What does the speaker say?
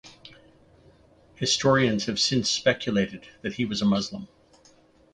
Historians have since speculated that he was a Muslim.